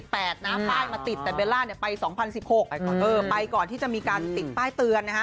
ป้ายมาติดแต่เบล่าไป๒๐๑๖ไปก่อนที่จะมีการติดป้ายเตือน